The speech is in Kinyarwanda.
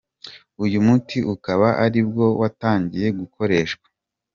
Uyu muti ukaba aribwo watangiye gukoreshwa.